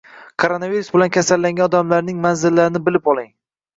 Koronavirus bilan kasallangan odamlarning manzillarini bilib oling